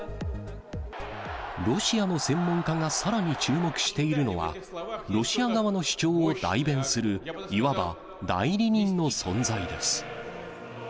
ロシアの専門家がさらに注目しているのは、ロシア側の主張を代弁する、いわば代理人の存在です。